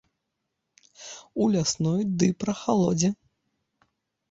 У лясной ды прахалодзе.